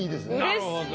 なるほど。